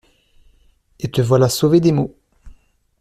Et te voilà sauvé des maux!